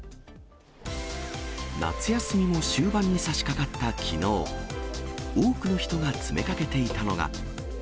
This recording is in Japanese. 夏休みも終盤にさしかかったきのう、多くの人が詰めかけていたのが。